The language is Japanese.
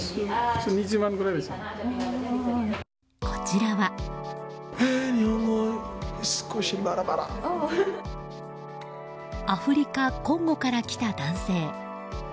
こちらはアフリカ・コンゴから来た男性。